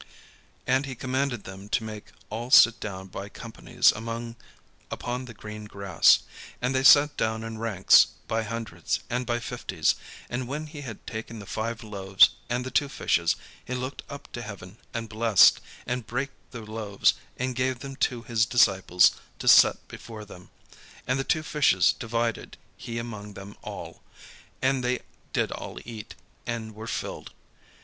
And he commanded them to make all sit down by companies upon the green grass. And they sat down in ranks, by hundreds, and by fifties. And when he had taken the five loaves and the two fishes, he looked up to heaven, and blessed, and brake the loaves, and gave them to his disciples to set before them; and the two fishes divided he among them all. And they did all eat, and were filled.